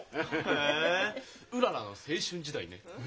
へえうららの青春時代ね。